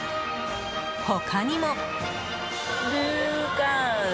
他にも。